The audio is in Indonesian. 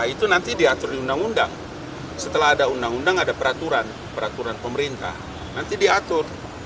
itu nanti diatur di undang undang setelah ada undang undang ada peraturan peraturan pemerintah nanti diatur